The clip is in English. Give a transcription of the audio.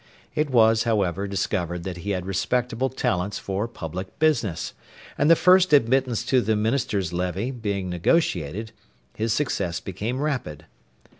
It was, however, discovered that he had respectable talents for public business, and the first admittance to the minister's levee being negotiated, his success became rapid.